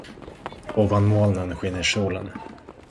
Ovan molnen skiner solen.